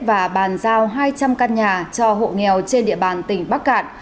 và bàn giao hai trăm linh căn nhà cho hộ nghèo trên địa bàn tỉnh bắc cạn